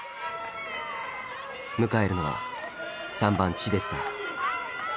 迎えるのは３番チデスター。